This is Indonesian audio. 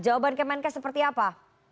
jawaban kemenkes seperti apa